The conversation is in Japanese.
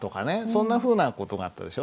そんなふうな事があったでしょう。